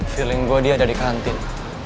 feeling gue dia ada di kantin